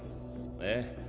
ええ。